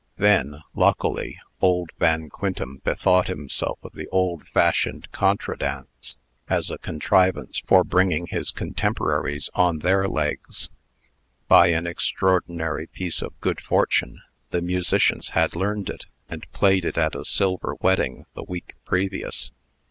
Then, luckily, old Van Quintem bethought himself of the old fashioned contra dance, as a contrivance for bringing his contemporaries on their legs. By an extraordinary piece of good fortune, the musicians had learned it, and played it at a silver wedding the week previous.